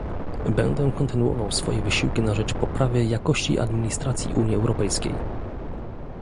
"Będę kontynuował swoje wysiłki na rzecz poprawy jakości administracji Unii Europejskiej"